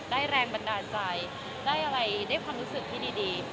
แรงบันดาลใจได้อะไรได้ความรู้สึกที่ดี